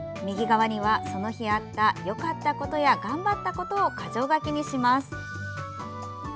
右側には、その日あったよかったことや頑張ったことを箇条書きにします。